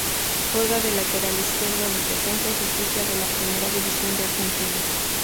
Juega de lateral izquierdo en Defensa y Justicia de la Primera División de Argentina.